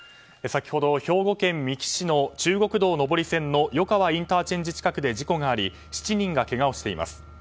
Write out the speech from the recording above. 先ほど兵庫県三木市の中国道上り線の吉川ＩＣ近くで事故があり７人がけがをしています。